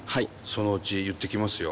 そのうち言ってきますよ。